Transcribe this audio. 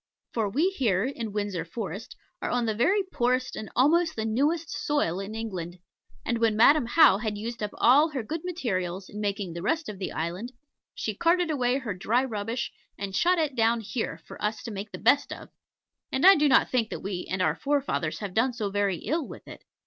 For we here, in Windsor Forest, are on the very poorest and almost the newest soil in England; and when Madam How had used up all her good materials in making the rest of the island, she carted away her dry rubbish and shot it down here for us to make the best of; and I do not think that we and our forefathers have done so very ill with it.